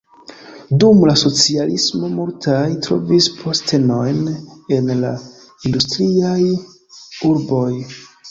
Dum la socialismo multaj trovis postenojn en la industriaj urboj.